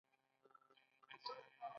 مجاهد د الهي لورینې منتظر وي.